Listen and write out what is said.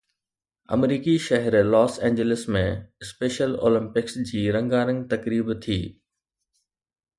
آمريڪي شهر Los Angeles ۾ special Olympics جي رنگارنگ تقريب ٿي